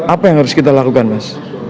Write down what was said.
apa yang harus kita lakukan mas